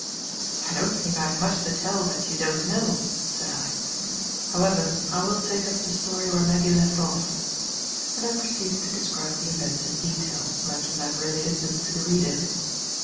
"I don't think I have much to tell that you don't know," said I; "however, I will take up the story where Maggie left off," and I proceeded to describe the events in detail, much as I have related them to the reader.